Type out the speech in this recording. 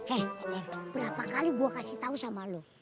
eh berapa kali gue kasih tau sama lo